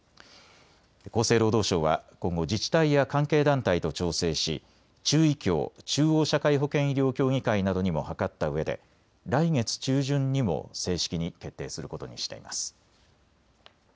厚生労働省は今後、自治体や関係団体と調整し中医協・中央社会保険医療協議会などにも諮ったうえで来月中旬にも正式に決定することにしています。